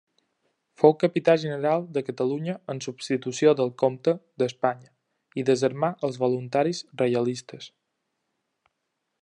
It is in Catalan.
Fou Capità General de Catalunya en substitució del Comte d'Espanya i desarmà els voluntaris reialistes.